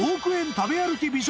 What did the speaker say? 食べ歩き美食